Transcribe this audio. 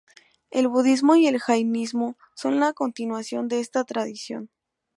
El Budismo y el Jainismo son la continuación de esta tradición.